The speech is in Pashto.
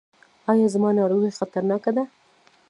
ایا زما ناروغي خطرناکه ده؟